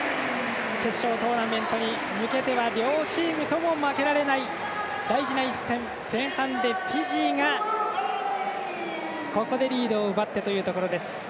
決勝トーナメントに向けては両チームとも負けられない大事な一戦、前半でフィジーがここでリードを奪ってというところです。